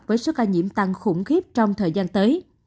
với số ca nhiễm tăng khủng khiếp trong thời gian tới